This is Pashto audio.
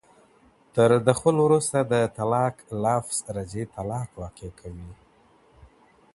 تر دخول وروسته د طلاق لفظ رجعي طلاق واقع کوي.